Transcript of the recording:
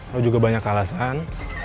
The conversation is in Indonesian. lo juga banyak alasan